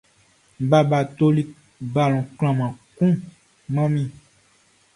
Baba toli balɔn klanhan kun man mi.